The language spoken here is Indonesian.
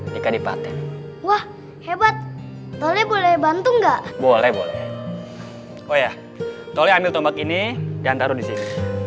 jika dipaten wah hebat toleh boleh bantu nggak boleh boleh oh ya toleh ambil tombak ini dan taruh di sini